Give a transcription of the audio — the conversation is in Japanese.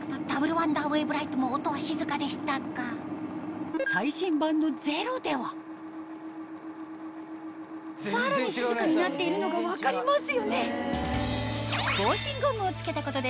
ワンダーウェーブライトも音は静かでしたが最新版のゼロではさらに静かになっているのが分かりますよね